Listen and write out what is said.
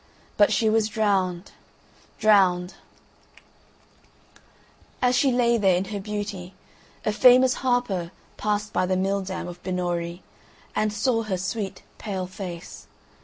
But she was drowned, drowned! And as she lay there in her beauty a famous harper passed by the mill dam of Binnorie, and saw her sweet pale face.